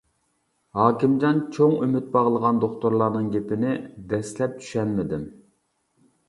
ھاكىمجان چوڭ ئۈمىد باغلىغان دوختۇرلارنىڭ گېپىنى دەسلەپ چۈشەنمىدىم.